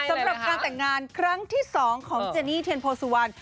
สำหรับการแต่งงานครั้งที่๒ของเจนี่เทียนโพสุวรรณ